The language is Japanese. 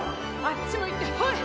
あっち向いてホイ！